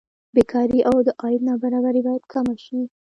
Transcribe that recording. بېکاري او د عاید نابرابري باید کمه شي.